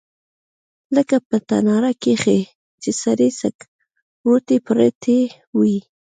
لکه په تناره کښې چې سرې سکروټې پرتې وي.